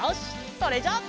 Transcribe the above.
それじゃあ。